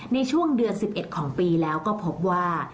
ในช่วงเดือน๑๑ของปีแล้วก็พบว่า